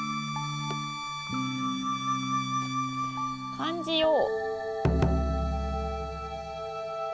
「感じよう」。